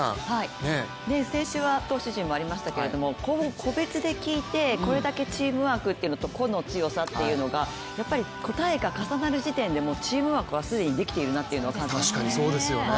先週は投手陣もありましたけど、個別で聞いてこれだけチームワークというのと個の強さと、やっぱり答えが重なる時点でチームワークは既にできてるなという感じがしますね。